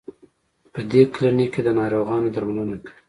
په دې کلینک کې د ناروغانو درملنه کوي.